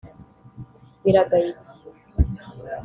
biragayitse